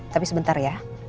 tapi sebentar ya